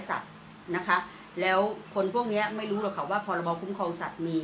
สัตว์นะคะแล้วคนพวกเนี้ยไม่รู้หรอกค่ะว่าพรบคุ้มครองสัตว์มี